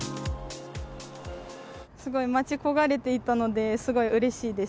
すごい待ち焦がれていたので、すごいうれしいです。